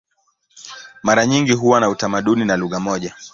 Mara nyingi huwa na utamaduni na lugha moja.